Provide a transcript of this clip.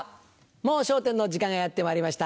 『もう笑点』の時間がやってまいりました。